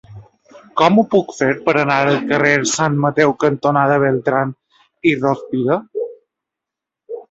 Com ho puc fer per anar al carrer Sant Mateu cantonada Beltrán i Rózpide?